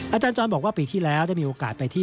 อาจารย์จรบอกว่าปีที่แล้วได้มีโอกาสไปที่